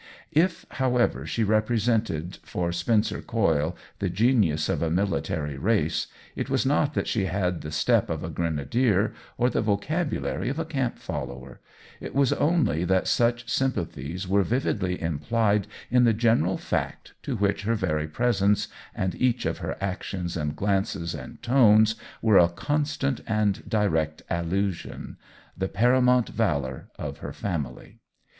If, however, she represented for Spencer Coyle the genius of a military race, it was not that she had the step of a grenadier or the vocabulary of a camp follower ; it was only that such sympathies were vividly implied in the general fact to which her very pres ence and each of her actions and glances and tones were a constant and direct allusion — the paramount valor of her fam ily.